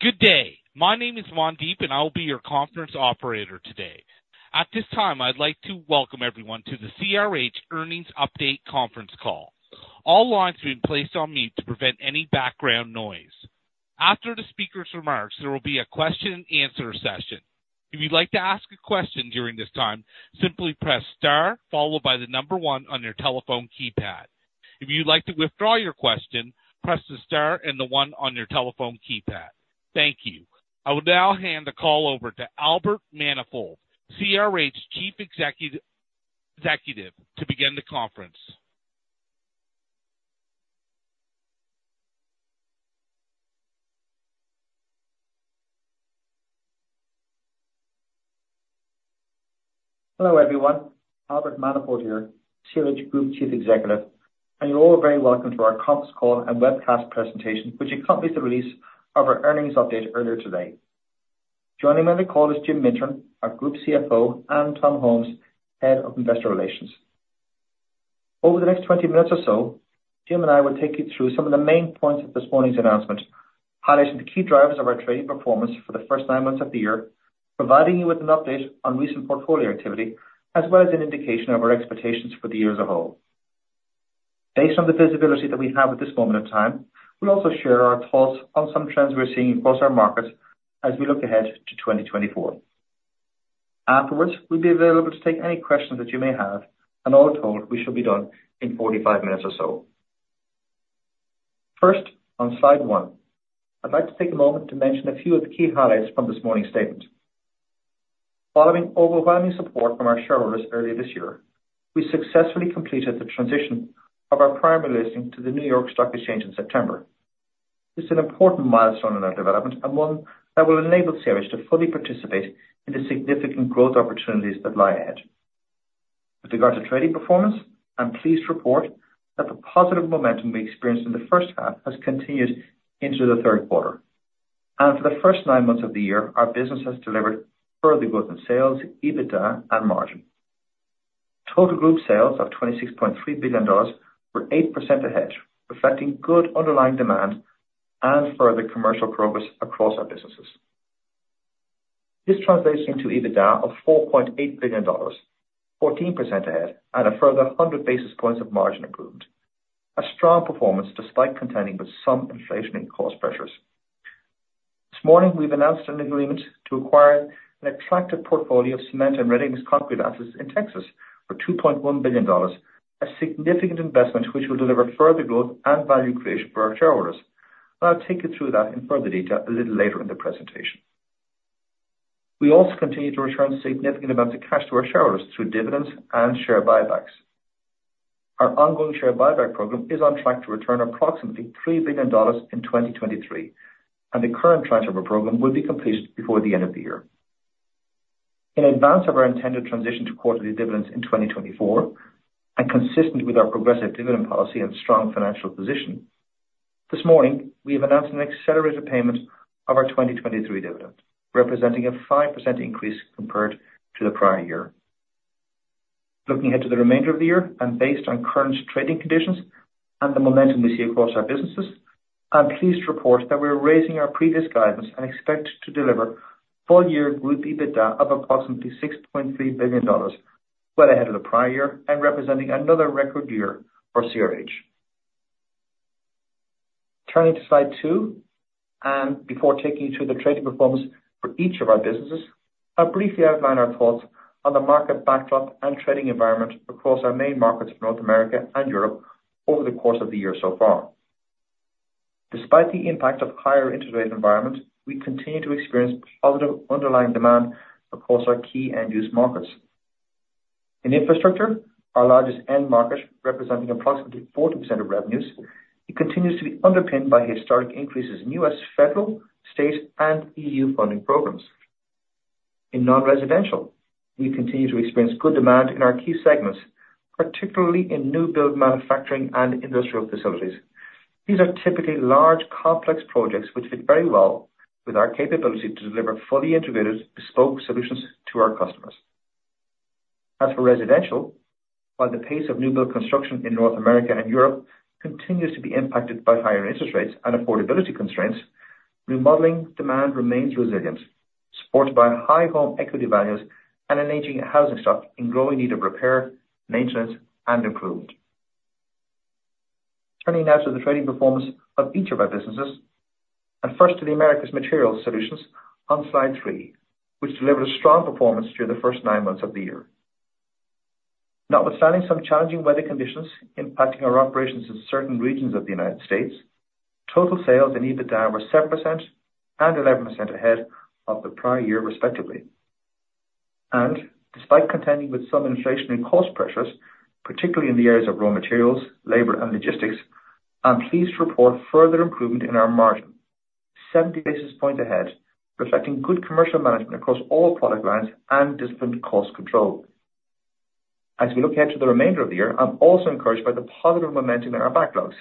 Good day. My name is Randeep, and I will be your conference operator today. At this time, I'd like to welcome everyone to the CRH Earnings Update Conference Call. All lines have been placed on mute to prevent any background noise. After the speaker's remarks, there will be a question and answer session. If you'd like to ask a question during this time, simply press star followed by the number one on your telephone keypad. If you'd like to withdraw your question, press the star and the one on your telephone keypad. Thank you. I will now hand the call over to Albert Manifold, CRH's Chief Executive, to begin the conference. Hello, everyone. Albert Manifold here, CRH Group Chief Executive, and you're all very welcome to our conference call and webcast presentation, which accompanies the release of our earnings update earlier today. Joining me on the call is Jim Mintern, our Group CFO, and Tom Holmes, Head of Investor Relations. Over the next 20 minutes or so, Jim and I will take you through some of the main points of this morning's announcement, highlighting the key drivers of our trading performance for the first nine months of the year, providing you with an update on recent portfolio activity, as well as an indication of our expectations for the year as a whole. Based on the visibility that we have at this moment in time, we'll also share our thoughts on some trends we're seeing across our markets as we look ahead to 2024. Afterwards, we'll be available to take any questions that you may have, and all told, we should be done in 45 minutes or so. First, on slide one, I'd like to take a moment to mention a few of the key highlights from this morning's statement. Following overwhelming support from our shareholders earlier this year, we successfully completed the transition of our primary listing to the New York Stock Exchange in September. This is an important milestone in our development, and one that will enable CRH to fully participate in the significant growth opportunities that lie ahead. With regard to trading performance, I'm pleased to report that the positive momentum we experienced in the first half has continued into the third quarter. For the first nine months of the year, our business has delivered further growth in sales, EBITDA and margin. Total group sales of $26.3 billion were 8% ahead, reflecting good underlying demand and further commercial progress across our businesses. This translates into EBITDA of $4.8 billion, 14% ahead, and a further 100 basis points of margin improvement. A strong performance despite contending with some inflationary cost pressures. This morning, we've announced an agreement to acquire an attractive portfolio of cement and ready mix concrete assets in Texas for $2.1 billion, a significant investment which will deliver further growth and value creation for our shareholders. I'll take you through that in further detail a little later in the presentation. We also continue to return significant amounts of cash to our shareholders through dividends and share buybacks. Our ongoing share buyback program is on track to return approximately $3 billion in 2023, and the current tranche of our program will be completed before the end of the year. In advance of our intended transition to quarterly dividends in 2024, and consistent with our progressive dividend policy and strong financial position, this morning, we have announced an accelerated payment of our 2023 dividend, representing a 5% increase compared to the prior year. Looking ahead to the remainder of the year, and based on current trading conditions and the momentum we see across our businesses, I'm pleased to report that we are raising our previous guidance and expect to deliver full year group EBITDA of approximately $6.3 billion, well ahead of the prior year and representing another record year for CRH. Turning to slide two, and before taking you through the trading performance for each of our businesses, I'll briefly outline our thoughts on the market backdrop and trading environment across our main markets in North America and Europe over the course of the year so far. Despite the impact of higher interest rate environment, we continue to experience positive underlying demand across our key end-use markets. In infrastructure, our largest end market, representing approximately 40% of revenues, it continues to be underpinned by historic increases in U.S. federal, state, and E.U. funding programs. In non-residential, we continue to experience good demand in our key segments, particularly in new build manufacturing and industrial facilities. These are typically large, complex projects which fit very well with our capability to deliver fully integrated bespoke solutions to our customers. As for residential, while the pace of new build construction in North America and Europe continues to be impacted by higher interest rates and affordability constraints, remodeling demand remains resilient, supported by high home equity values and an aging housing stock in growing need of repair, maintenance, and improvement. Turning now to the trading performance of each of our businesses, and first to the Americas Materials Solutions on slide three, which delivered a strong performance through the first nine months of the year. Notwithstanding some challenging weather conditions impacting our operations in certain regions of the United States, total sales and EBITDA were 7% and 11% ahead of the prior year, respectively. Despite contending with some inflationary cost pressures, particularly in the areas of raw materials, labor, and logistics, I'm pleased to report further improvement in our margin. 70 basis points ahead, reflecting good commercial management across all product lines and disciplined cost control. As we look ahead to the remainder of the year, I'm also encouraged by the positive momentum in our backlogs,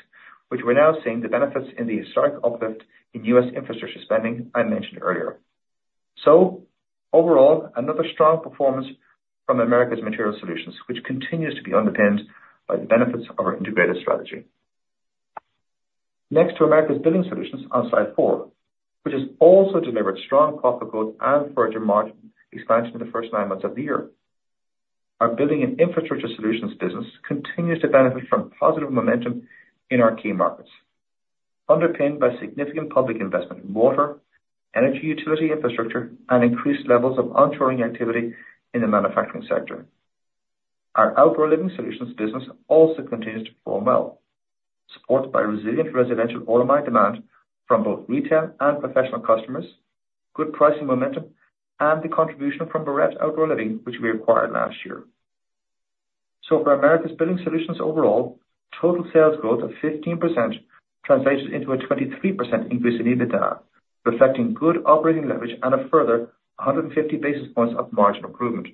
which we're now seeing the benefits in the historic uplift in U.S. infrastructure spending I mentioned earlier.… So overall, another strong performance from Americas Material Solutions, which continues to be underpinned by the benefits of our integrated strategy. Next to Americas Building Solutions on slide four, which has also delivered strong profit growth and further margin expansion in the first nine months of the year. Our Building and Infrastructure Solutions business continues to benefit from positive momentum in our key markets, underpinned by significant public investment in water, energy, utility infrastructure, and increased levels of onshoring activity in the manufacturing sector. Our Outdoor Living Solutions business also continues to perform well, supported by resilient residential online demand from both retail and professional customers, good pricing momentum, and the contribution from Barrette Outdoor Living, which we acquired last year. So for Americas Building Solutions overall, total sales growth of 15% translated into a 23% increase in EBITDA, reflecting good operating leverage and a further 150 basis points of margin improvement.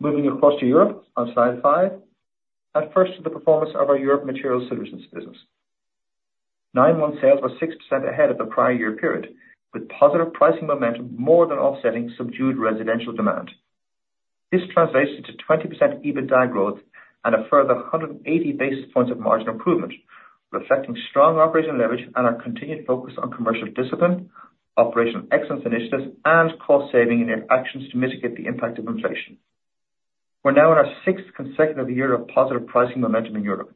Moving across to Europe on slide five, and first to the performance of our Europe Materials Solutions business. nine-month sales were 6% ahead of the prior year period, with positive pricing momentum more than offsetting subdued residential demand. This translates into 20% EBITDA growth and a further 180 basis points of margin improvement, reflecting strong operational leverage and our continued focus on commercial discipline, operational excellence initiatives, and cost saving in their actions to mitigate the impact of inflation. We're now in our sixth consecutive year of positive pricing momentum in Europe,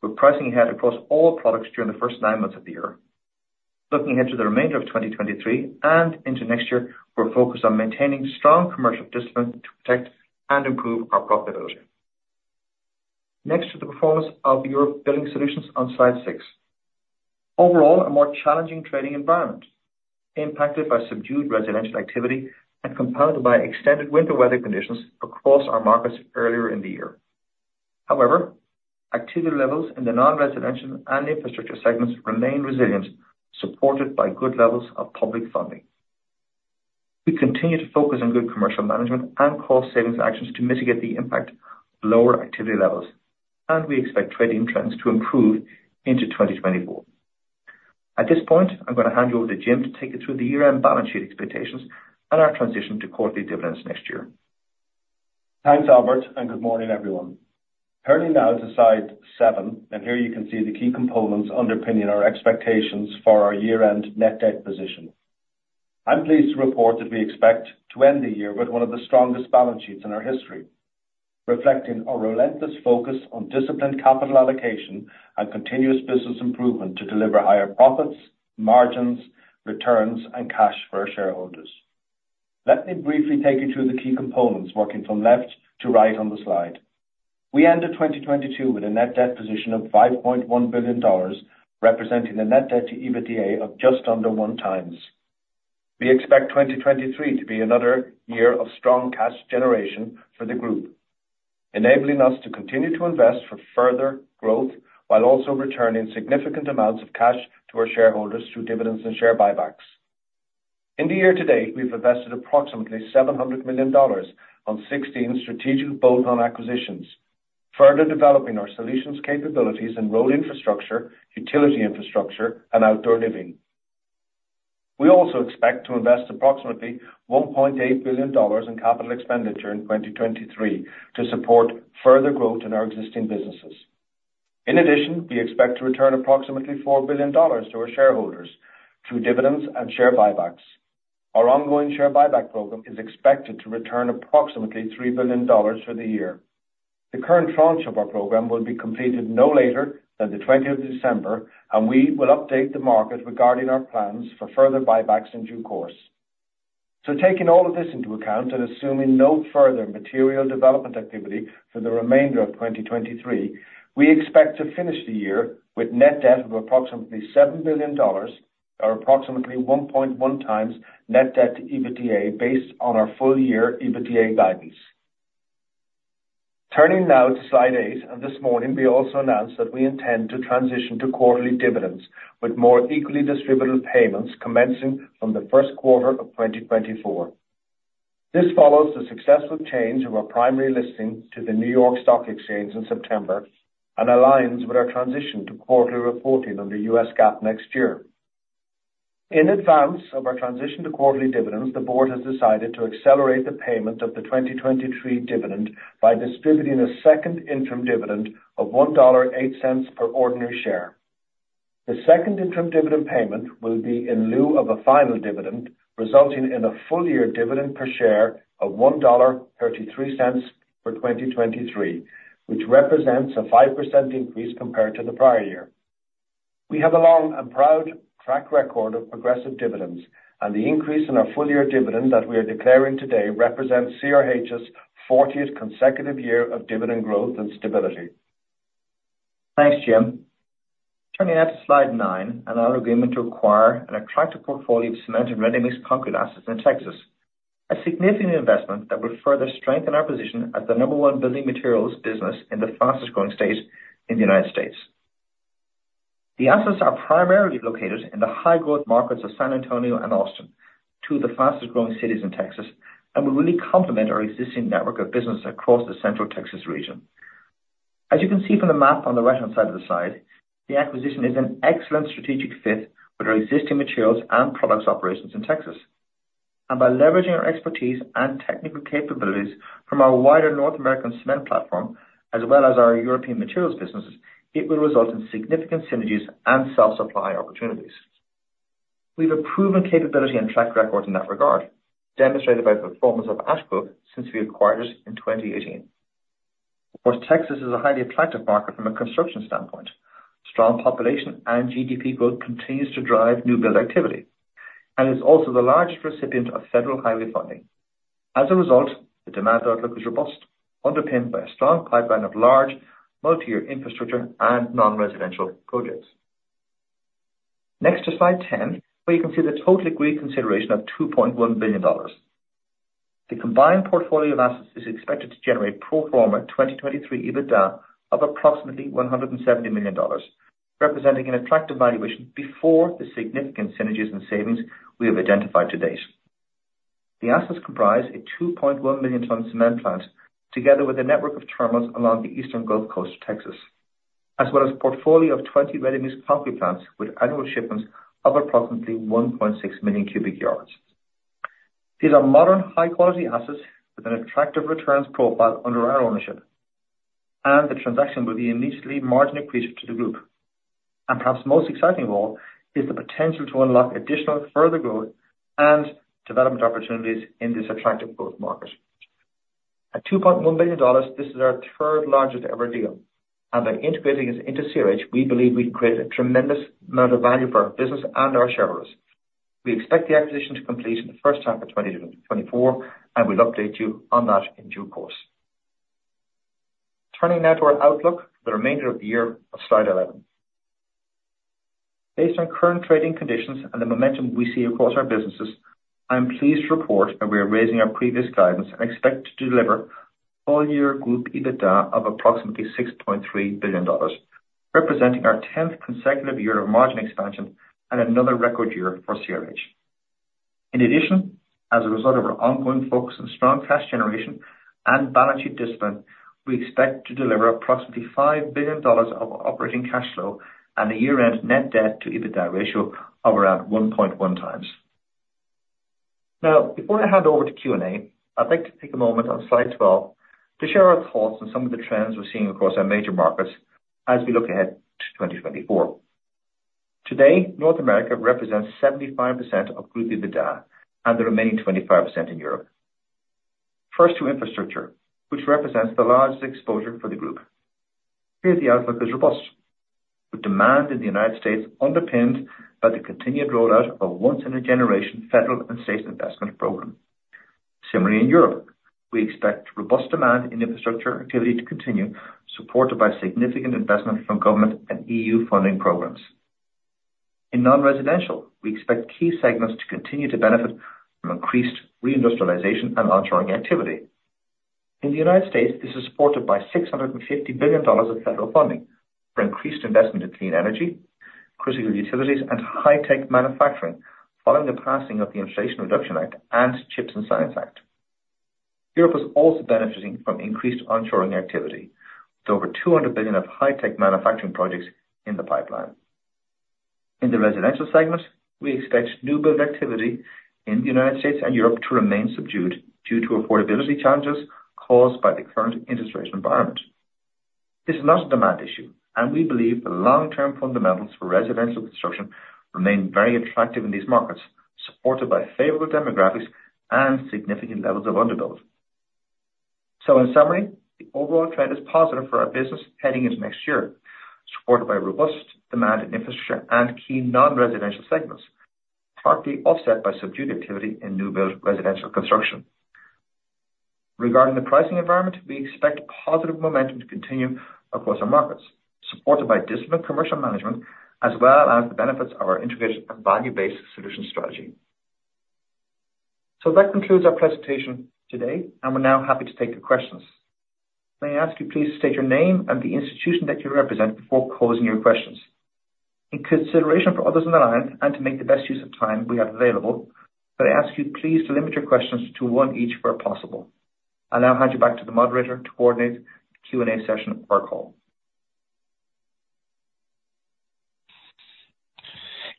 with pricing ahead across all products during the first nine months of the year. Looking ahead to the remainder of 2023 and into next year, we're focused on maintaining strong commercial discipline to protect and improve our profitability. Next, to the performance of Europe Building Solutions on slide six. Overall, a more challenging trading environment, impacted by subdued residential activity and compounded by extended winter weather conditions across our markets earlier in the year. However, activity levels in the non-residential and infrastructure segments remained resilient, supported by good levels of public funding. We continue to focus on good commercial management and cost savings actions to mitigate the impact of lower activity levels, and we expect trading trends to improve into 2024. At this point, I'm going to hand you over to Jim to take you through the year-end balance sheet expectations and our transition to quarterly dividends next year. Thanks, Albert, and good morning, everyone. Turning now to slide seven, and here you can see the key components underpinning our expectations for our year-end net debt position. I'm pleased to report that we expect to end the year with one of the strongest balance sheets in our history, reflecting our relentless focus on disciplined capital allocation and continuous business improvement to deliver higher profits, margins, returns, and cash for our shareholders. Let me briefly take you through the key components, working from left to right on the slide. We ended 2022 with a net debt position of $5.1 billion, representing a net debt to EBITDA of just under 1x. We expect 2023 to be another year of strong cash generation for the group, enabling us to continue to invest for further growth, while also returning significant amounts of cash to our shareholders through dividends and share buybacks. In the year to date, we've invested approximately $700 million on 16 strategic bolt-on acquisitions, further developing our solutions capabilities in road infrastructure, utility infrastructure, and outdoor living. We also expect to invest approximately $1.8 billion in capital expenditure in 2023 to support further growth in our existing businesses. In addition, we expect to return approximately $4 billion to our shareholders through dividends and share buybacks. Our ongoing share buyback program is expected to return approximately $3 billion for the year. The current tranche of our program will be completed no later than the 20th of December, and we will update the market regarding our plans for further buybacks in due course. Taking all of this into account and assuming no further material development activity for the remainder of 2023, we expect to finish the year with net debt of approximately $7 billion or approximately 1.1x net debt to EBITDA, based on our full year EBITDA guidance. Turning now to slide eight, and this morning we also announced that we intend to transition to quarterly dividends, with more equally distributed payments commencing from the first quarter of 2024. This follows the successful change of our primary listing to the New York Stock Exchange in September and aligns with our transition to quarterly reporting under US GAAP next year. In advance of our transition to quarterly dividends, the board has decided to accelerate the payment of the 2023 dividend by distributing a second interim dividend of $1.08 per ordinary share. The second interim dividend payment will be in lieu of a final dividend, resulting in a full year dividend per share of $1.33 for 2023, which represents a 5% increase compared to the prior year. We have a long and proud track record of progressive dividends, and the increase in our full year dividend that we are declaring today represents CRH's 40th consecutive year of dividend growth and stability. Thanks, Jim. Turning now to slide nine, and our agreement to acquire an attractive portfolio of cement and ready-mixed concrete assets in Texas, a significant investment that will further strengthen our position as the number 1 building materials business in the fastest growing state in the United States. The assets are primarily located in the high growth markets of San Antonio and Austin, two of the fastest growing cities in Texas, and will really complement our existing network of business across the central Texas region. As you can see from the map on the right-hand side of the slide, the acquisition is an excellent strategic fit with our existing materials and products operations in Texas. By leveraging our expertise and technical capabilities from our wider North American cement platform, as well as our European materials businesses, it will result in significant synergies and self-supply opportunities. We've a proven capability and track record in that regard, demonstrated by the performance of Ash Grove since we acquired it in 2018. Of course, Texas is a highly attractive market from a construction standpoint. Strong population and GDP growth continues to drive new build activity, and is also the largest recipient of federal highway funding. As a result, the demand outlook is robust, underpinned by a strong pipeline of large, multi-year infrastructure and non-residential projects. Next to slide 10, where you can see the total agreed consideration of $2.1 billion. The combined portfolio of assets is expected to generate pro forma 2023 EBITDA of approximately $170 million, representing an attractive valuation before the significant synergies and savings we have identified to date. The assets comprise a 2.1 million ton cement plant, together with a network of terminals along the eastern Gulf Coast of Texas, as well as a portfolio of 20 ready-mix concrete plants, with annual shipments of approximately 1.6 million cubic yards. These are modern, high quality assets with an attractive returns profile under our ownership, and the transaction will be initially margin accretive to the group. And perhaps most exciting of all, is the potential to unlock additional further growth and development opportunities in this attractive growth market. At $2.1 billion, this is our third largest ever deal, and by integrating this into CRH, we believe we've created a tremendous amount of value for our business and our shareholders. We expect the acquisition to complete in the first half of 2024, and we'll update you on that in due course. Turning now to our outlook for the remainder of the year on slide 11. Based on current trading conditions and the momentum we see across our businesses, I'm pleased to report that we are raising our previous guidance and expect to deliver full year group EBITDA of approximately $6.3 billion, representing our 10th consecutive year of margin expansion and another record year for CRH. In addition, as a result of our ongoing focus on strong cash generation and balance sheet discipline, we expect to deliver approximately $5 billion of operating cash flow and a year-end net debt to EBITDA ratio of around 1.1x. Now, before I hand over to Q&A, I'd like to take a moment on slide 12 to share our thoughts on some of the trends we're seeing across our major markets as we look ahead to 2024. Today, North America represents 75% of group EBITDA, and the remaining 25% in Europe. First, to infrastructure, which represents the largest exposure for the group. Here, the outlook is robust, with demand in the United States underpinned by the continued rollout of a once-in-a-generation federal and state investment program. Similarly, in Europe, we expect robust demand in infrastructure activity to continue, supported by significant investment from government and EU funding programs. In non-residential, we expect key segments to continue to benefit from increased reindustrialization and onshoring activity. In the United States, this is supported by $650 billion of federal funding for increased investment in clean energy, critical utilities, and high-tech manufacturing, following the passing of the Inflation Reduction Act and CHIPS and Science Act. Europe is also benefiting from increased onshoring activity, with over 200 billion of high-tech manufacturing projects in the pipeline. In the residential segment, we expect new build activity in the United States and Europe to remain subdued due to affordability challenges caused by the current interest rate environment. This is not a demand issue, and we believe the long-term fundamentals for residential construction remain very attractive in these markets, supported by favorable demographics and significant levels of underbuild. In summary, the overall trend is positive for our business heading into next year, supported by robust demand in infrastructure and key non-residential segments, partly offset by subdued activity in new build residential construction. Regarding the pricing environment, we expect positive momentum to continue across our markets, supported by disciplined commercial management, as well as the benefits of our integrated and value-based solution strategy. That concludes our presentation today, and we're now happy to take your questions. May I ask you please to state your name and the institution that you represent before posing your questions. In consideration for others on the line, and to make the best use of time we have available, could I ask you please to limit your questions to one each, where possible. I'll now hand you back to the moderator to coordinate the Q&A session of our call.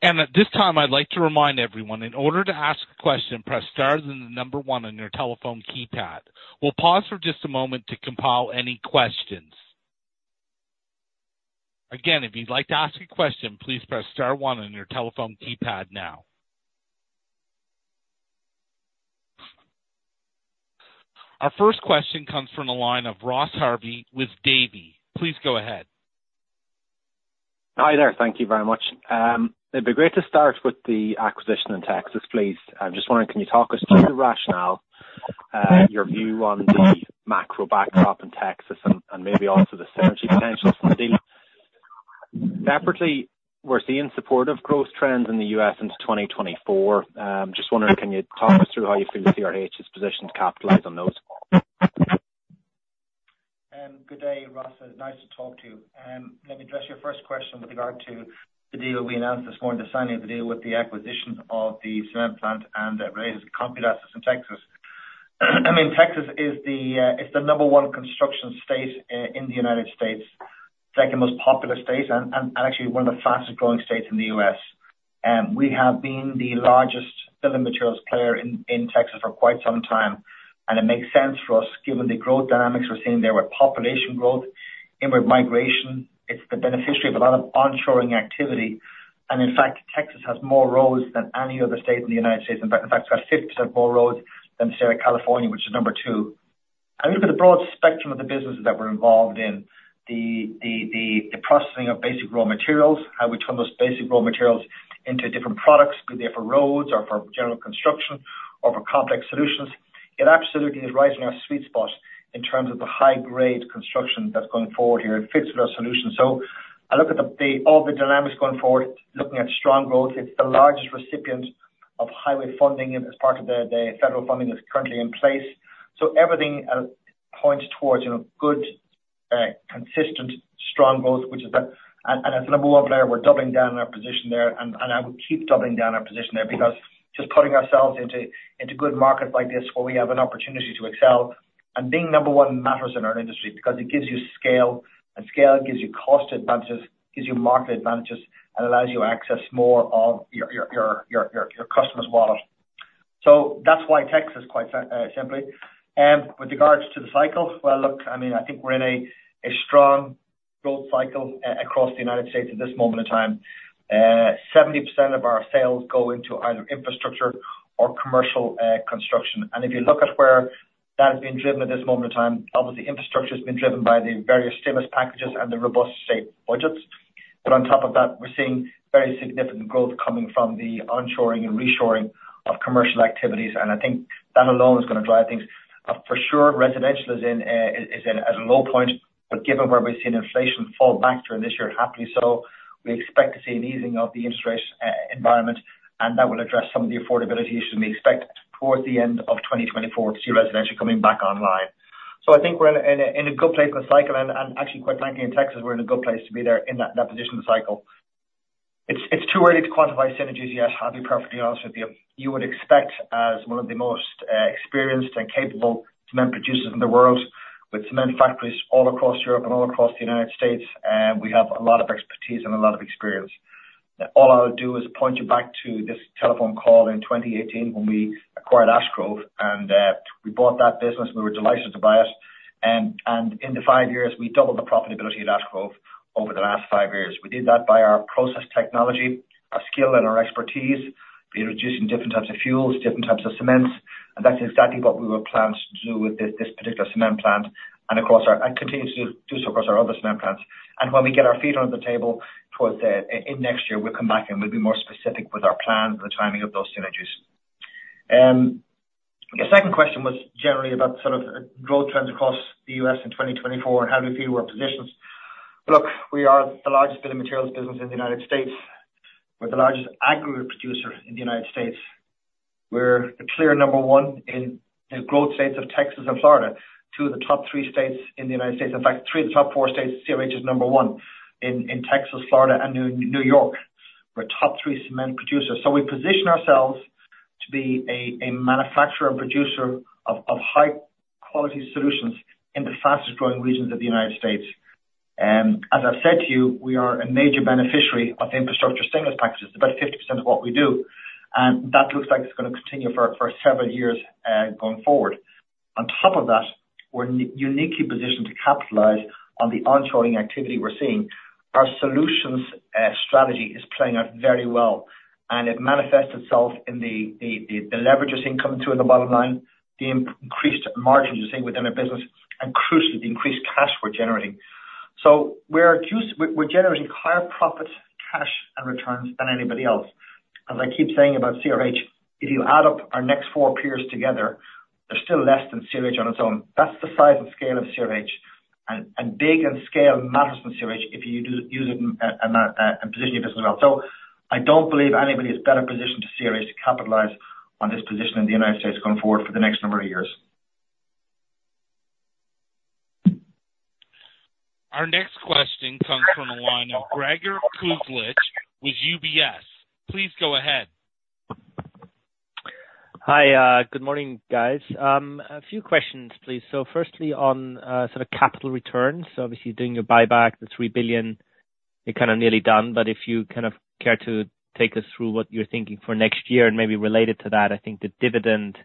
At this time, I'd like to remind everyone, in order to ask a question, press star, then the number one on your telephone keypad. We'll pause for just a moment to compile any questions. Again, if you'd like to ask a question, please press star one on your telephone keypad now. Our first question comes from the line of Ross Harvey with Davy. Please go ahead. Hi there. Thank you very much. It'd be great to start with the acquisition in Texas, please. I'm just wondering, can you talk us through the rationale, your view on the macro backdrop in Texas and maybe also the synergy potential for the deal? Separately, we're seeing supportive growth trends in the U.S. into 2024. Just wondering, can you talk us through how you feel CRH is positioned to capitalize on those? Good day, Ross. Nice to talk to you. Let me address your first question with regard to the deal we announced this morning, the signing of the deal with the acquisition of the cement plant and ready-mix concrete assets in Texas. I mean, Texas is the number one construction state in the United States, second most populous state, and actually one of the fastest growing states in the U.S. We have been the largest building materials player in Texas for quite some time, and it makes sense for us, given the growth dynamics we're seeing there, with population growth, inward migration. It's the beneficiary of a lot of onshoring activity, and in fact, Texas has more roads than any other state in the United States. In fact, it's got 50% more roads than the state of California, which is number two. If you look at the broad spectrum of the businesses that we're involved in, the processing of basic raw materials, how we turn those basic raw materials into different products, be they for roads or for general construction or for complex solutions, it absolutely is right in our sweet spot in terms of the high grade construction that's going forward here, and fits with our solution. So I look at all the dynamics going forward, looking at strong growth, it's the largest recipient of highway funding as part of the federal funding that's currently in place. So everything points towards, you know, good, consistent, strong growth, which is the... As number one player, we're doubling down on our position there, and I would keep doubling down on our position there, because just putting ourselves into good markets like this, where we have an opportunity to excel, and being number one matters in our industry because it gives you scale, and scale gives you cost advantages, gives you market advantages, and allows you access more of your customer's wallet. So that's why Texas, quite simply. With regards to the cycle, well, look, I mean, I think we're in a strong growth cycle across the United States at this moment in time. 70% of our sales go into either infrastructure or commercial construction. If you look at where that is being driven at this moment in time, obviously infrastructure's been driven by the various stimulus packages and the robust state budgets. But on top of that, we're seeing very significant growth coming from the onshoring and reshoring of commercial activities, and I think that alone is gonna drive things. For sure, residential is at a low point, but given where we've seen inflation fall back during this year, happily so, we expect to see an easing of the interest rate environment, and that will address some of the affordability issues, and we expect towards the end of 2024 to see residential coming back online. So I think we're in a good place in the cycle, and actually, quite frankly, in Texas, we're in a good place to be there in that position in the cycle. It's too early to quantify synergies yet. I'll be perfectly honest with you. You would expect, as one of the most experienced and capable cement producers in the world, with cement factories all across Europe and all across the United States, we have a lot of expertise and a lot of experience. All I would do is point you back to this telephone call in 2018 when we acquired Ash Grove, and we bought that business. We were delighted to buy it. And in the five years, we doubled the profitability at Ash Grove over the last five years. We did that by our process technology, our skill, and our expertise in reducing different types of fuels, different types of cements, and that's exactly what we will plan to do with this, this particular cement plant, and across our-- and continue to do so across our other cement plants. And when we get our feet under the table towards the, in next year, we'll come back, and we'll be more specific with our plan for the timing of those synergies. Your second question was generally about sort of growth trends across the U.S. in 2024, and how do we feel we're positioned? Look, we are the largest building materials business in the United States. We're the largest aggregate producer in the United States. We're the clear number one in the growth states of Texas and Florida, two of the top three states in the United States. In fact, three of the top four states, CRH is number one. In Texas, Florida, and New York, we're top three cement producers. So we position ourselves to be a manufacturer and producer of high quality solutions in the fastest growing regions of the United States. As I've said to you, we are a major beneficiary of infrastructure stimulus packages, about 50% of what we do, and that looks like it's gonna continue for several years going forward. On top of that, we're uniquely positioned to capitalize on the onshoring activity we're seeing. Our solutions strategy is playing out very well, and it manifests itself in the leverage you're seeing coming through in the bottom line, the increased margins you're seeing within our business, and crucially, the increased cash we're generating. So we're accused—we're generating higher profits, cash, and returns than anybody else. As I keep saying about CRH, if you add up our next four peers together, they're still less than CRH on its own. That's the size and scale of CRH, and big and scale matters with CRH if you do use it in that and position yourself. So I don't believe anybody is better positioned to CRH to capitalize on this position in the United States going forward for the next number of years. Our next question comes from the line of Gregor Kuglitsch with UBS. Please go ahead. Hi, good morning, guys. A few questions, please. So firstly, on sort of capital returns, so obviously doing your buyback, the $3 billion, you're kind of nearly done, but if you kind of care to take us through what you're thinking for next year, and maybe related to that, I think the dividend,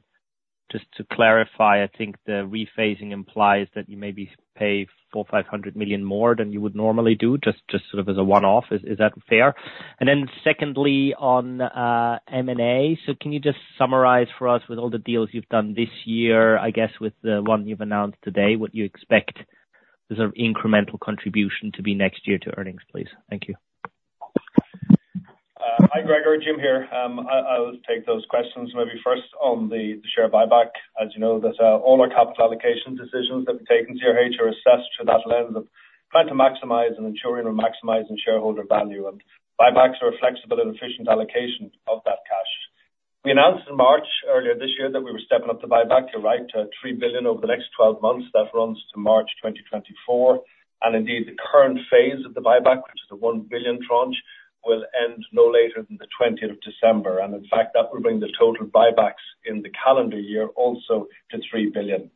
just to clarify, I think the rephasing implies that you maybe pay $400 million-$500 million more than you would normally do, just sort of as a one-off. Is that fair? And then secondly, on M&A. So can you just summarize for us, with all the deals you've done this year, I guess with the one you've announced today, what you expect the sort of incremental contribution to be next year to earnings, please? Thank you. Hi, Gregor. Jim here. I'll take those questions. Maybe first on the share buyback. As you know, that, all our capital allocation decisions that we take in CRH are assessed through that lens of trying to maximize and ensuring we're maximizing shareholder value, and buybacks are a flexible and efficient allocation of that cash. We announced in March, earlier this year, that we were stepping up the buyback, you're right, to $3 billion over the next 12 months. That runs to March 2024. And indeed, the current phase of the buyback, which is the $1 billion tranche- ... will end no later than the 20th of December, and in fact, that will bring the total buybacks in the calendar year also to $3 billion.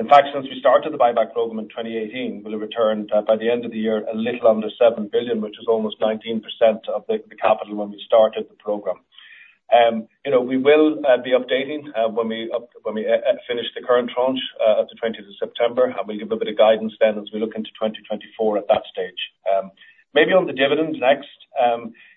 In fact, since we started the buyback program in 2018, we'll have returned by the end of the year a little under $7 billion, which is almost 19% of the capital when we started the program. You know, we will be updating when we finish the current tranche at the 20th of September, and we'll give a bit of guidance then as we look into 2024 at that stage. Maybe on the dividends next.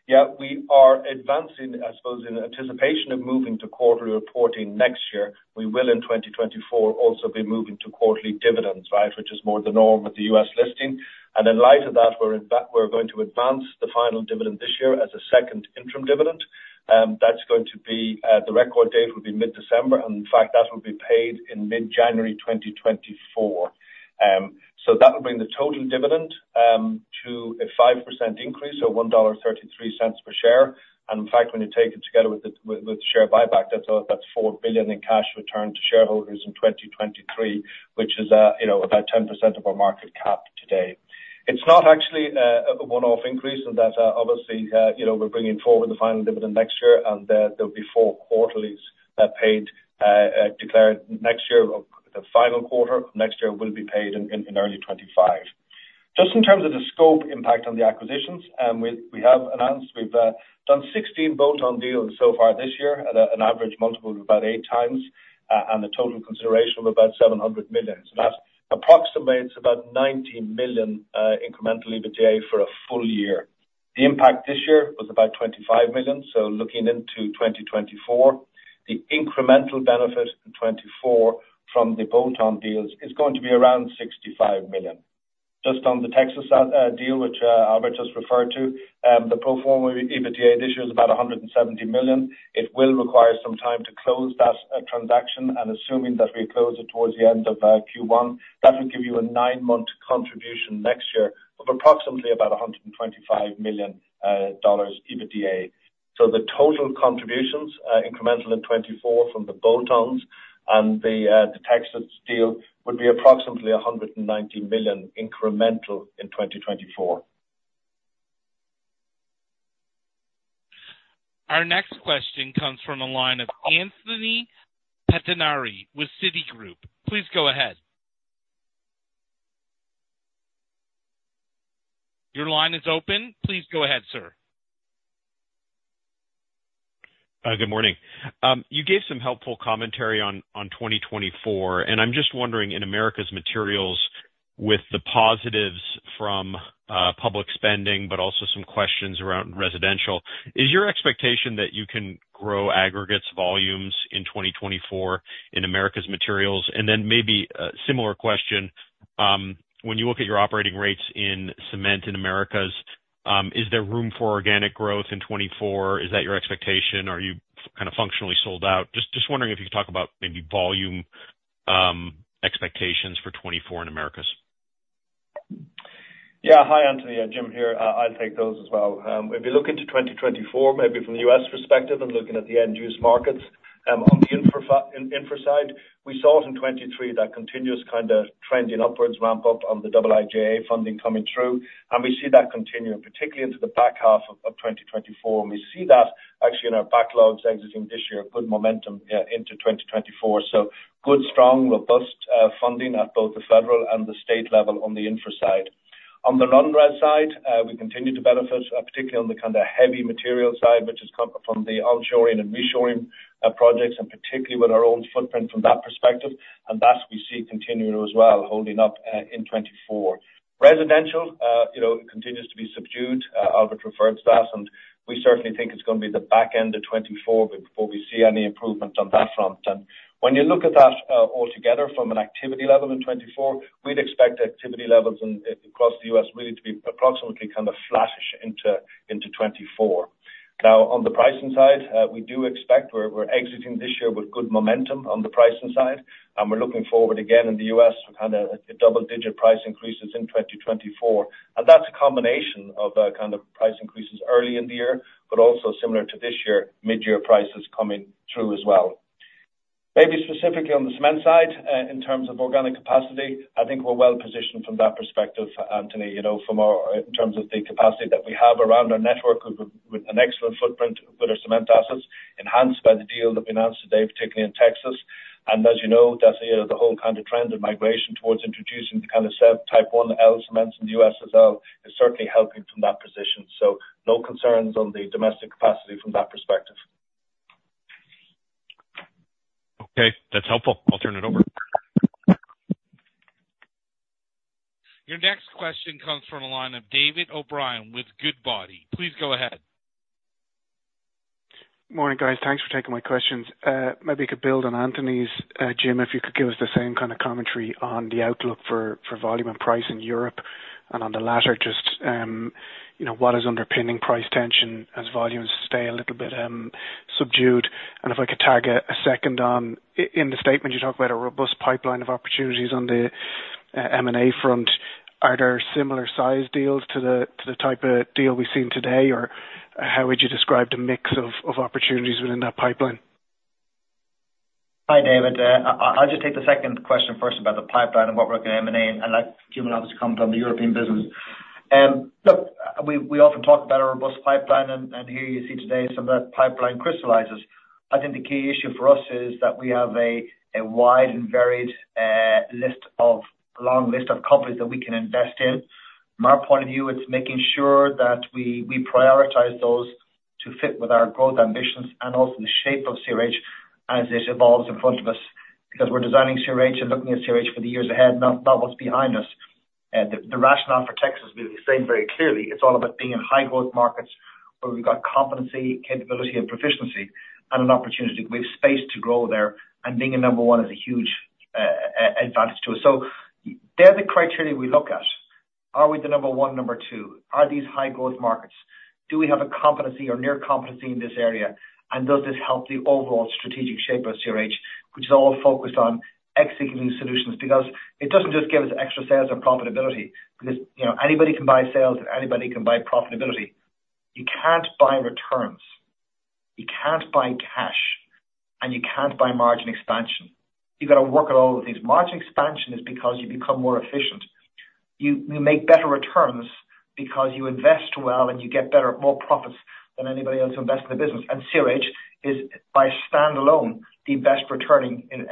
Yeah, we are advancing, I suppose, in anticipation of moving to quarterly reporting next year. We will, in 2024, also be moving to quarterly dividends, right? Which is more the norm with the U.S. listing. And in light of that, we're in fact going to advance the final dividend this year as a second interim dividend. That's going to be the record date will be mid-December, and in fact, that will be paid in mid-January 2024. So that will bring the total dividend to a 5% increase, so $1.33 per share. And in fact, when you take it together with the with the share buyback, that's $4 billion in cash returned to shareholders in 2023, which is, you know, about 10% of our market cap today. It's not actually a one-off increase, and that, obviously, you know, we're bringing forward the final dividend next year, and there'll be four quarterlies paid declared next year. The final quarter next year will be paid in early 2025. Just in terms of the scope impact on the acquisitions, we have announced we've done 16 bolt-on deals so far this year at an average multiple of about 8x and a total consideration of about $700 million. So that approximates about $19 million incremental EBITDA for a full year. The impact this year was about $25 million, so looking into 2024, the incremental benefit in 2024 from the bolt-on deals is going to be around $65 million. Just on the Texas deal, which Albert just referred to, the pro forma EBITDA this year is about $170 million. It will require some time to close that transaction, and assuming that we close it towards the end of Q1, that will give you a nine-month contribution next year of approximately about $125 million EBITDA. So the total contributions incremental in 2024 from the bolt-ons and the Texas deal would be approximately $190 million incremental in 2024. Our next question comes from the line of Anthony Pettinari with Citigroup. Please go ahead. Your line is open. Please go ahead, sir. Good morning. You gave some helpful commentary on 2024, and I'm just wondering, in Americas Materials, with the positives from public spending, but also some questions around residential, is your expectation that you can grow aggregates volumes in 2024 in Americas Materials? And then maybe a similar question, when you look at your operating rates in cement in Americas, is there room for organic growth in 2024? Is that your expectation or are you kind of functionally sold out? Just wondering if you could talk about maybe volume expectations for 2024 in Americas. Yeah. Hi, Anthony, Jim here. I'll take those as well. If you look into 2024, maybe from the U.S. perspective and looking at the end use markets, on the infra side, we saw it in 2023, that continuous kind of trending upwards ramp up on the IIJA funding coming through, and we see that continuing, particularly into the back half of 2024. And we see that actually in our backlogs exiting this year, a good momentum into 2024. So good, strong, robust funding at both the federal and the state level on the infra side. On the non-red side, we continue to benefit, particularly on the kind of heavy material side, which is from the onshoring and reshoring projects, and particularly with our own footprint from that perspective, and that we see continuing as well, holding up in 2024. Residential, you know, continues to be subdued. Albert referred to that, and we certainly think it's gonna be the back end of 2024 before we see any improvement on that front. And when you look at that, altogether from an activity level in 2024, we'd expect activity levels in, across the U.S. really to be approximately kind of flattish into, into 2024. Now, on the pricing side, we do expect we're exiting this year with good momentum on the pricing side, and we're looking forward again in the U.S. to kind of a double-digit price increases in 2024. And that's a combination of kind of price increases early in the year, but also similar to this year, mid-year prices coming through as well. Maybe specifically on the cement side, in terms of organic capacity, I think we're well positioned from that perspective, Anthony, you know, from our, in terms of the capacity that we have around our network with an excellent footprint with our cement assets, enhanced by the deal that we announced today, particularly in Texas. As you know, that's, you know, the whole kind of trend and migration towards introducing the kind of set Type IL cements in the U.S. as well, is certainly helping from that position. So no concerns on the domestic capacity from that perspective. Okay. That's helpful. I'll turn it over. Your next question comes from the line of David O'Brien with Goodbody. Please go ahead. Morning, guys. Thanks for taking my questions. Maybe you could build on Anthony's, Jim, if you could give us the same kind of commentary on the outlook for volume and price in Europe, and on the latter, just, you know, what is underpinning price tension as volumes stay a little bit subdued? And if I could tag a second on in the statement, you talk about a robust pipeline of opportunities on the M&A front. Are there similar size deals to the type of deal we've seen today, or how would you describe the mix of opportunities within that pipeline? Hi, David. I'll just take the second question first about the pipeline and what we're going to M&A, and I'd like Jim to obviously come from the European business. Look, we often talk about our robust pipeline, and here you see today some of that pipeline crystallizes. I think the key issue for us is that we have a wide and varied list of long list of companies that we can invest in. From our point of view, it's making sure that we prioritize those to fit with our growth ambitions and also the shape of CRH as it evolves in front of us. Because we're designing CRH and looking at CRH for the years ahead, not what's behind us. The rationale for Texas will be the same very clearly. It's all about being in high growth markets where we've got competency, capability, and proficiency, and an opportunity. We have space to grow there, and being a number one is a huge advantage to us. So they're the criteria we look at. Are we the number one, number two? Are these high growth markets? Do we have a competency or near competency in this area? And does this help the overall strategic shape of CRH, which is all focused on executing solutions? Because it doesn't just give us extra sales or profitability, because, you know, anybody can buy sales and anybody can buy profitability. You can't buy returns, you can't buy cash, and you can't buy margin expansion. You've gotta work on all of these. Margin expansion is because you become more efficient. You, you make better returns because you invest well, and you get better, more profits than anybody else who invest in the business. And CRH is by standalone, the best returning in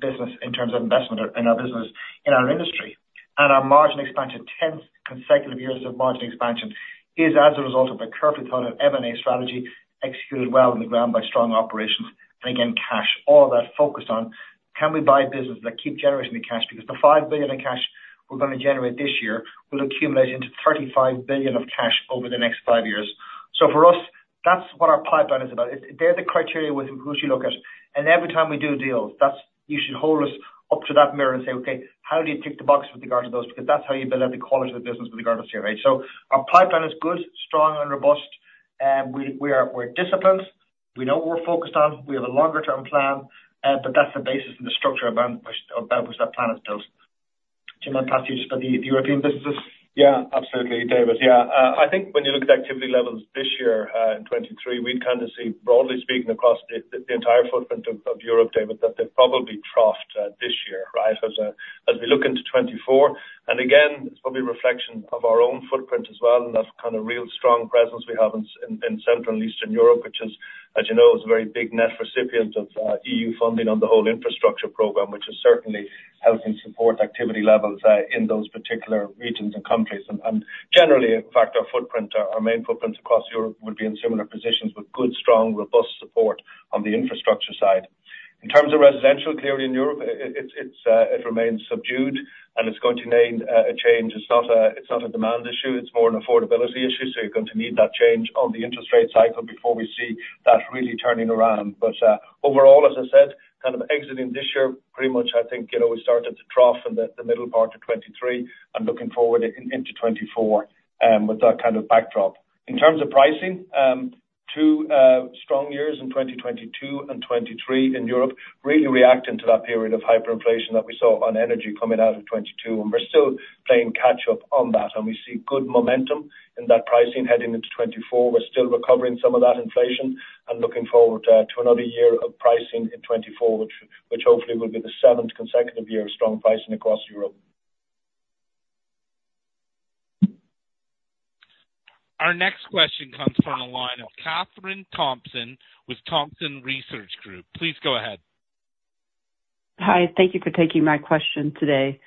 business in terms of investment in our business, in our industry. And our margin expansion, tenth consecutive years of margin expansion, is as a result of a carefully thought of M&A strategy, executed well on the ground by strong operations, and again, cash. All that focused on, can we buy business that keep generating the cash? Because the $5 billion in cash we're gonna generate this year, will accumulate into $35 billion of cash over the next five years. So for us, that's what our pipeline is about. It's the criteria which we look at, and every time we do deals, that's... You should hold us up to that mirror and say, "Okay, how do you tick the box with regard to those?" Because that's how you build out the quality of the business with regard to CRH. So our pipeline is good, strong, and robust, we're disciplined, we know what we're focused on. We have a longer term plan, but that's the basis and the structure about which that plan is built. Jim, I'll pass you the European businesses. Yeah, absolutely, David. Yeah. I think when you look at the activity levels this year in 2023, we'd kind of see, broadly speaking, across the entire footprint of Europe, David, that they've probably troughed this year, right? As we look into 2024, and again, it's probably a reflection of our own footprint as well, and that kind of real strong presence we have in Central and Eastern Europe, which, as you know, is a very big net recipient of EU funding on the whole infrastructure program, which is certainly helping support activity levels in those particular regions and countries. And generally, in fact, our footprint, our main footprint across Europe would be in similar positions with good, strong, robust support on the infrastructure side. In terms of residential, clearly in Europe, it's. It remains subdued and it's going to need a change. It's not a demand issue, it's more an affordability issue, so you're going to need that change on the interest rate cycle before we see that really turning around. But overall, as I said, kind of exiting this year, pretty much I think, you know, we started to trough in the middle part of 2023 and looking forward into 2024 with that kind of backdrop. In terms of pricing, two strong years in 2022 and 2023 in Europe, really reacting to that period of hyperinflation that we saw on energy coming out of 2022, and we're still playing catch up on that. And we see good momentum in that pricing heading into 2024. We're still recovering some of that inflation and looking forward to another year of pricing in 2024, which hopefully will be the seventh consecutive year of strong pricing across Europe. Our next question comes from the line of Kathryn Thompson with Thompson Research Group. Please go ahead. Hi, thank you for taking my question today.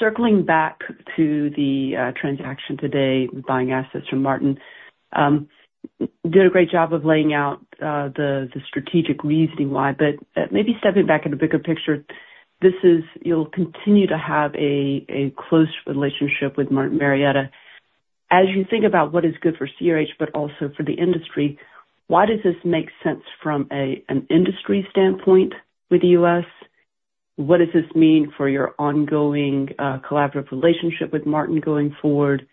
Circling back to the transaction today, buying assets from Martin, you did a great job of laying out the strategic reasoning why, but maybe stepping back in the bigger picture, this is... You'll continue to have a close relationship with Martin Marietta. As you think about what is good for CRH, but also for the industry, why does this make sense from an industry standpoint with the U.S.? What does this mean for your ongoing collaborative relationship with Martin going forward?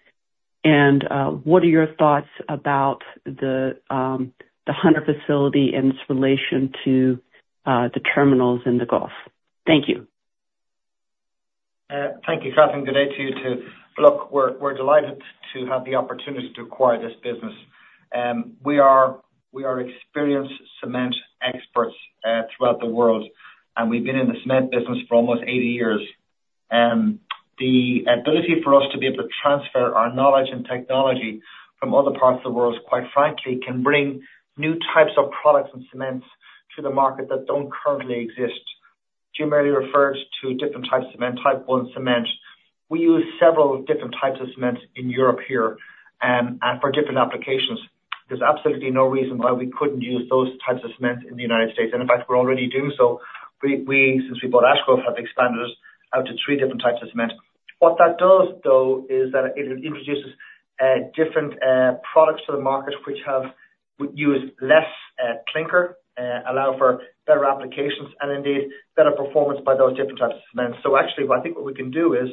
And what are your thoughts about the Hunter facility and its relation to the terminals in the Gulf? Thank you. Thank you, Kathryn. Good day to you, too. Look, we're delighted to have the opportunity to acquire this business. We are experienced cement experts throughout the world, and we've been in the cement business for almost 80 years. The ability for us to be able to transfer our knowledge and technology from other parts of the world, quite frankly, can bring new types of products and cements to the market that don't currently exist. Jim earlier referred to different types of cement, Type I cement. We use several different types of cements in Europe here, and for different applications. There's absolutely no reason why we couldn't use those types of cement in the United States, and in fact, we're already doing so. We, since we bought Ash Grove, have expanded out to three different types of cement. What that does, though, is that it introduces different products to the market, which would use less clinker, allow for better applications and indeed better performance by those different types of cements. So actually, what I think what we can do is,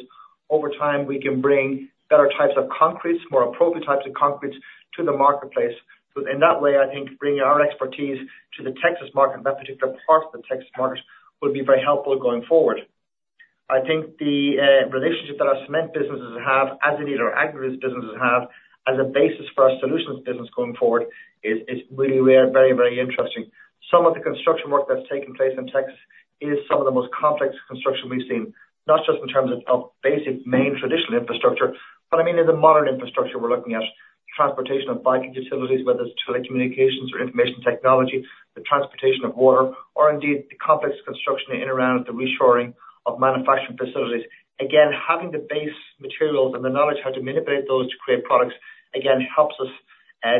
over time, we can bring better types of concretes, more appropriate types of concretes to the marketplace. So in that way, I think bringing our expertise to the Texas market, that particular part of the Texas market, will be very helpful going forward. I think the relationship that our cement businesses have, as indeed our aggregates businesses have, as a basis for our solutions business going forward, is really very, very interesting. Some of the construction work that's taking place in Texas is some of the most complex construction we've seen, not just in terms of basic main traditional infrastructure, but I mean, in the modern infrastructure, we're looking at transportation of biking facilities, whether it's telecommunications or information technology, the transportation of water, or indeed the complex construction in and around the reshoring of manufacturing facilities. Again, having the base materials and the knowledge how to manipulate those to create products, again, helps us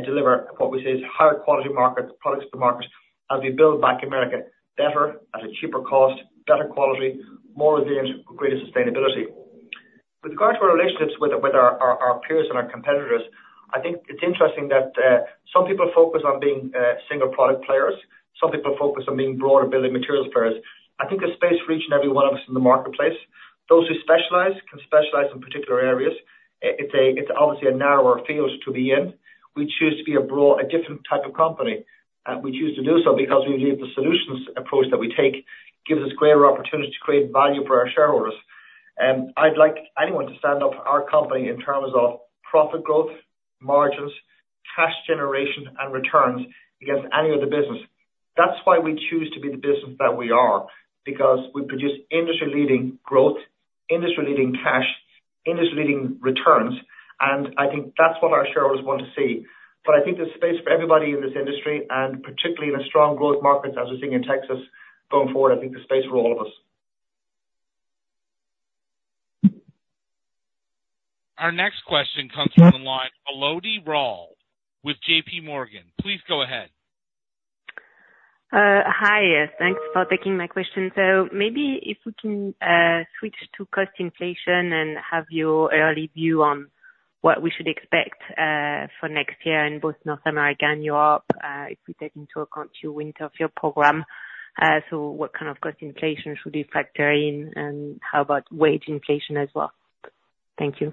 deliver what we say is higher quality market products to market as we build back America better, at a cheaper cost, better quality, more resilient, with greater sustainability. With regard to our relationships with our peers and our competitors, I think it's interesting that some people focus on being single product players. Some people focus on being broader building materials players. I think there's space for each and every one of us in the marketplace. Those who specialize can specialize in particular areas. It's obviously a narrower field to be in. We choose to be a different type of company, and we choose to do so because we believe the solutions approach that we take gives us greater opportunity to create value for our shareholders. And I'd like anyone to stand up our company in terms of profit growth, margins, cash generation, and returns against any other business. That's why we choose to be the business that we are, because we produce industry-leading growth, industry-leading cash, industry-leading returns, and I think that's what our shareholders want to see. But I think there's space for everybody in this industry, and particularly in the strong growth markets as we're seeing in Texas. Going forward, I think there's space for all of us. Our next question comes from the line, Elodie Rall with JPMorgan. Please go ahead. Hi. Thanks for taking my question. So maybe if we can, switch to cost inflation and have your early view on what we should expect, for next year in both North America and Europe, if we take into account your winter-fill program, so what kind of cost inflation should we factor in, and how about wage inflation as well? Thank you.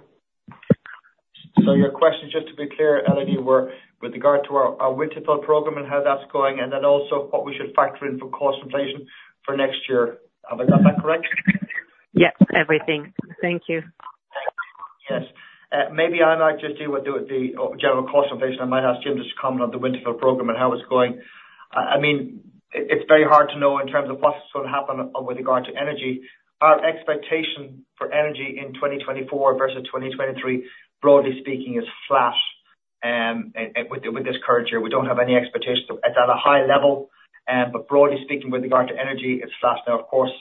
Your question, just to be clear, Elodie, were with regard to our, our winter-fill program and how that's going, and then also what we should factor in for cost inflation for next year. Have I got that correct? Yes. Everything. Thank you. Yes. Maybe I might just deal with the general cost inflation. I might ask Jim just to comment on the winter-fill program and how it's going. I mean, it's very hard to know in terms of what's going to happen with regard to energy. Our expectation for energy in 2024 versus 2023, broadly speaking, is flat. And with this current year, we don't have any expectations. It's at a high level, but broadly speaking, with regard to energy, it's flat. Now, of course,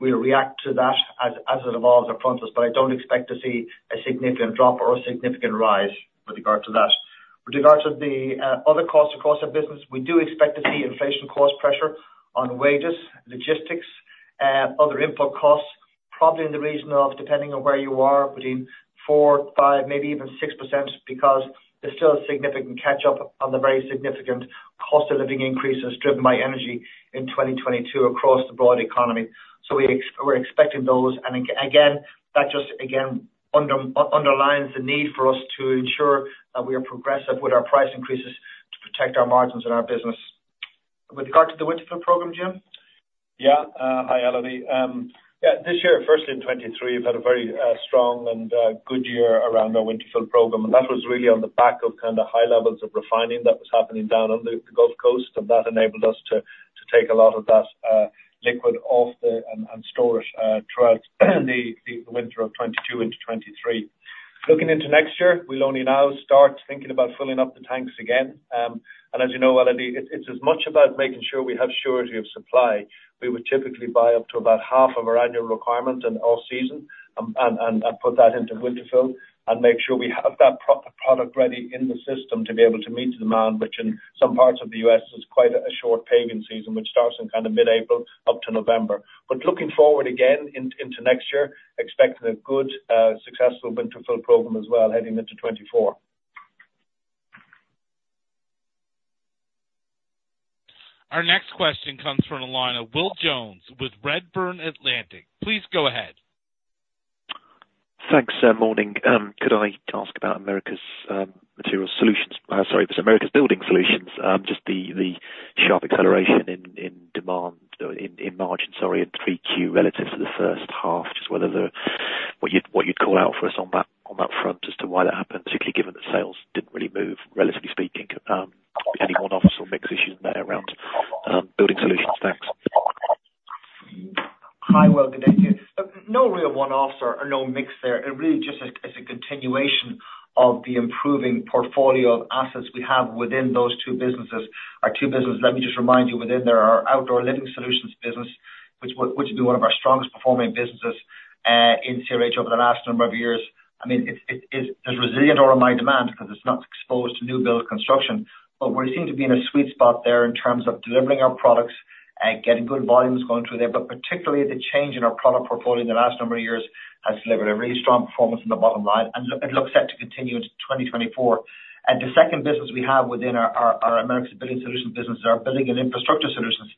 we'll react to that as it evolves or prompts us, but I don't expect to see a significant drop or a significant rise with regard to that. With regard to the other costs across our business, we do expect to see inflation cost pressure on wages, logistics, other input costs, probably in the region of, depending on where you are, between 4%, 5%, maybe even 6%, because there's still a significant catch up on the very significant cost of living increases driven by energy in 2022 across the broad economy. So we're expecting those. And again, that just again underlines the need for us to ensure that we are progressive with our price increases to protect our margins and our business. With regard to the winter-fill program, Jim? Yeah. Hi, Elodie. Yeah, this year, firstly, in 2023, we've had a very strong and good year around our winter-fill program, and that was really on the back of kind of high levels of refining that was happening down on the Gulf Coast, and that enabled us to take a lot of that liquid off the market and store it throughout the winter of 2022 into 2023. Looking into next year, we'll only now start thinking about filling up the tanks again. And as you know, Elodie, it's as much about making sure we have surety of supply. We would typically buy up to about half of our annual requirement in off season, and put that into winter fill, and make sure we have that product ready in the system to be able to meet the demand, which in some parts of the U.S. is quite a short paving season, which starts in kind of mid-April up to November. But looking forward again into next year, expecting a good, successful winter fill program as well, heading into 2024. Our next question comes from the line of Will Jones with Redburn Atlantic. Please go ahead. Thanks, sir. Morning. Could I ask about Americas Materials Solutions? Sorry, Americas Building Solutions, just the sharp acceleration in demand, in margin, sorry, in 3Q, relative to the first half, just whether the—what you'd call out for us on that, on that front as to why that happened, particularly given that sales didn't really move, relatively speaking. Any one-offs or mix issues in that, around building solutions? Thanks. Hi, Will. Good day to you. No real one-offs or no mix there. It really just is, it's a continuation of the improving portfolio of assets we have within those two businesses. Our two businesses, let me just remind you, within there, are our Outdoor Living Solutions business, which would be one of our strongest performing businesses in CRH over the last number of years. I mean, it's, there's resilient demand because it's not exposed to new builds construction, but we seem to be in a sweet spot there in terms of delivering our products and getting good volumes going through there. But particularly the change in our product portfolio in the last number of years has delivered a really strong performance in the bottom line and looks set to continue into 2024. The second business we have within our America's Building Solutions business is our Building and Infrastructure Solutions.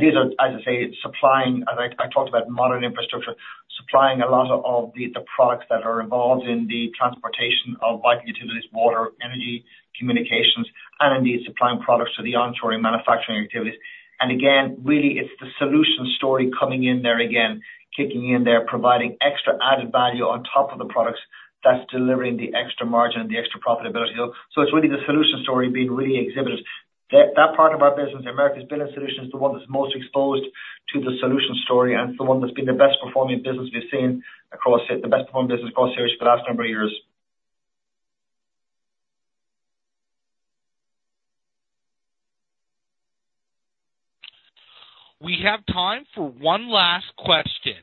These are, as I say, supplying, as I talked about modern infrastructure, supplying a lot of the products that are involved in the transportation of vital utilities, water, energy, communications, and indeed supplying products to the onshoring manufacturing activities. And again, really, it's the solution story coming in there again, kicking in there, providing extra added value on top of the products, that's delivering the extra margin and the extra profitability. So it's really the solution story being really exhibited. That part of our business, Americas Building Solutions, is the one that's most exposed to the solution story and it's the one that's been the best performing business we've seen across the best performing business across here for the last number of years. We have time for one last question.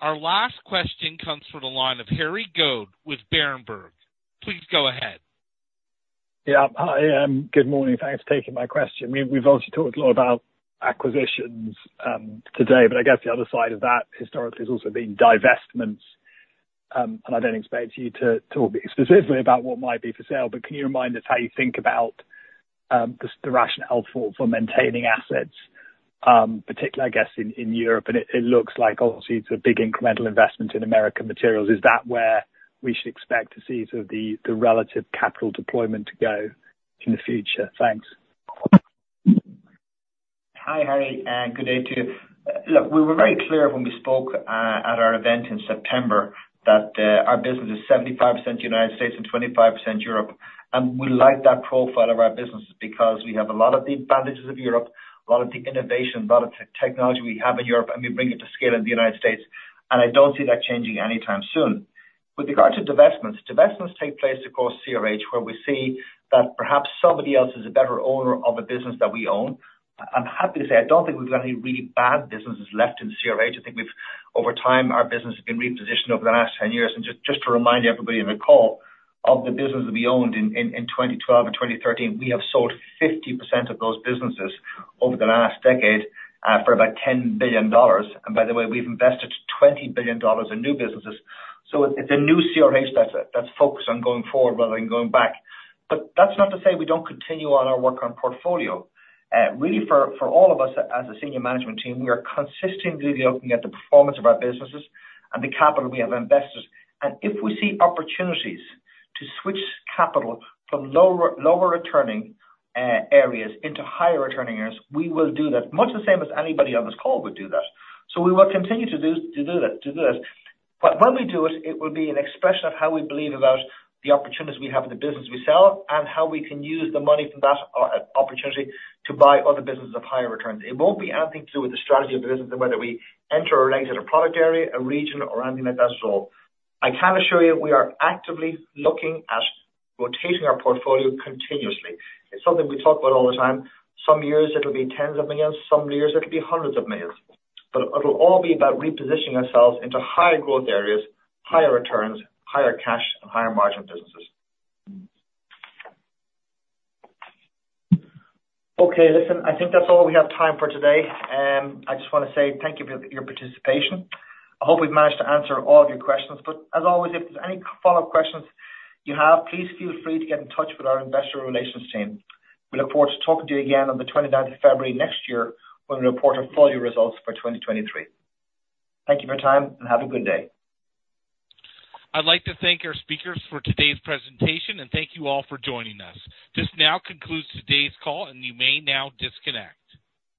Our last question comes from the line of Harry Goad with Berenberg. Please go ahead. Yeah. Hi, good morning. Thanks for taking my question. We've obviously talked a lot about acquisitions today, but I guess the other side of that historically has also been divestments. And I don't expect you to talk specifically about what might be for sale, but can you remind us how you think about the rationale for maintaining assets, particularly, I guess, in Europe? And it looks like obviously it's a big incremental investment in American Materials. Is that where we should expect to see sort of the relative capital deployment to go in the future? Thanks. Hi, Harry, and good day to you. Look, we were very clear when we spoke at our event in September, that our business is 75% United States and 25% Europe. We like that profile of our business because we have a lot of the advantages of Europe, a lot of the innovation, a lot of technology we have in Europe, and we bring it to scale in the United States, and I don't see that changing anytime soon. With regard to divestments, divestments take place across CRH, where we see that perhaps somebody else is a better owner of a business that we own. I'm happy to say, I don't think we've got any really bad businesses left in CRH. I think we've, over time, our business has been repositioned over the last 10 years. And just to remind everybody on the call, of the business that we owned in 2012 and 2013, we have sold 50% of those businesses over the last decade for about $10 billion. And by the way, we've invested $20 billion in new businesses. So it's a new CRH that's focused on going forward rather than going back. But that's not to say we don't continue on our work on portfolio. Really, for all of us as a senior management team, we are consistently looking at the performance of our businesses and the capital we have invested. And if we see opportunities to switch capital from lower returning areas into higher returning areas, we will do that, much the same as anybody on this call would do that. So we will continue to do that. But when we do it, it will be an expression of how we believe about the opportunities we have in the business we sell, and how we can use the money from that opportunity to buy other businesses of higher returns. It won't be anything to do with the strategy of the business and whether we enter or exit a product area, a region, or anything like that at all. I can assure you, we are actively looking at rotating our portfolio continuously. It's something we talk about all the time. Some years it'll be tens of millions, some years it'll be hundreds of millions, but it'll all be about repositioning ourselves into higher growth areas, higher returns, higher cash, and higher margin businesses. Okay, listen, I think that's all we have time for today. I just want to say thank you for your participation. I hope we've managed to answer all of your questions, but as always, if there's any follow-up questions you have, please feel free to get in touch with our investor relations team. We look forward to talking to you again on the 29th of February next year, when we report our full year results for 2023. Thank you for your time and have a good day. I'd like to thank our speakers for today's presentation, and thank you all for joining us. This now concludes today's call, and you may now disconnect.